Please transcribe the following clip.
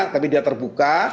tapi dia terbuka